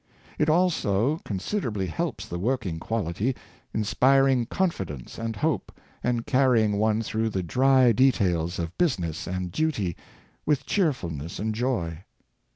It also considerably helps the working quality, inspiring confidence and hope, and carrying one through the dry details of busi ness and duty with cheerfulness and joy.